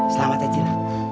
selamat ya cil